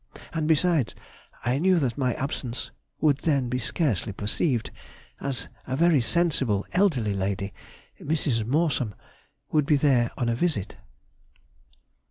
And besides, I knew that my absence would then be scarcely perceived, as a very sensible elderly lady (Mrs. Morsom) would be there on a visit.